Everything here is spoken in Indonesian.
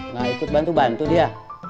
nah ikut bantu bantu dia